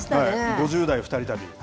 ５０代２人旅。